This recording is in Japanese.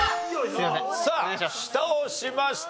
さあ下を押しました。